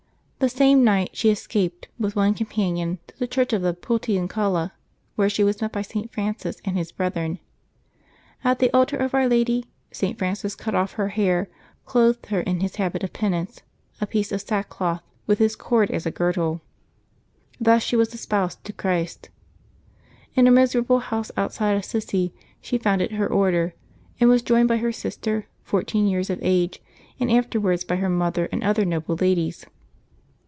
The same night she es caped, with one companion, to the Church of the Por tiuncnla, where she was met by St. Francis and his brethren. At the altar of Our Lady, St. Francis cut off her hair, clothed her in his habit of penance, a piece of sack cloth, with his cord as a girdle. Thus she was es poused to Christ. In a miserable house outside Assisi she founded her Order^ and was joined by her sister, fourteen years of age, and afterwards by her mother and other noble ladies.